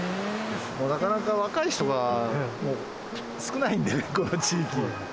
なかなか若い人が少ないんでね、この地域。